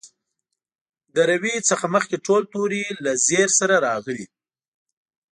د روي څخه مخکې ټول توري له زېر سره راغلي.